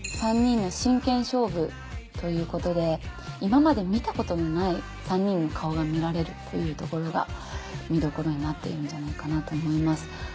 ３人の真剣勝負ということで今まで見たことのない３人の顔が見られるというところが見どころになってるんじゃないかと思います。